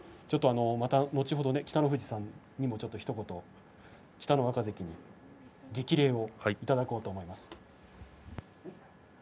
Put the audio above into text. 後ほど北の富士さんにもひと言北の若関に激励をいただこうと思います。